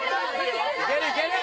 いけるいける！